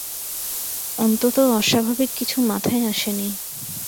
অন্তত অস্বাভাবিক কিছু মাথায় আসেনি।